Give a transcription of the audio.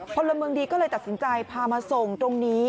พลเมืองดีก็เลยตัดสินใจพามาส่งตรงนี้